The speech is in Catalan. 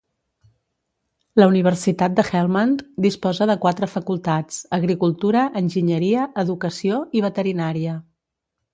La Universitat de Helmand disposa de quatre facultats: agricultura, enginyeria, educació i veterinària.